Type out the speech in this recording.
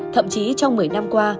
thậm chí trong một mươi năm qua